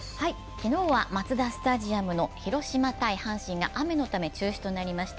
昨日はマツダスタジアムの広島×阪神が雨のため中止になりました。